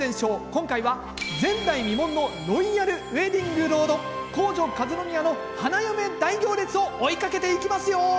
今回は「前代未聞のロイヤルウエディングロード皇女和宮の花嫁大行列」を追いかけていきますよ！